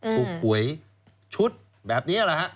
ถูกหวยชุดแบบนี้ล่ะครับ